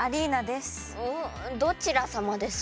どちらさまですか？